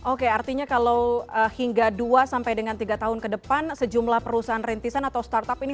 oke artinya kalau hingga dua sampai dengan tiga tahun ke depan sejumlah perusahaan rintisan atau startup ini